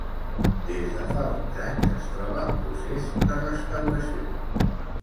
Des de fa uns anys es troba en procés de restauració.